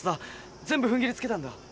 全部ふんぎりつけたんだ。